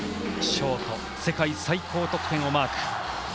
ショート、世界最高得点をマーク。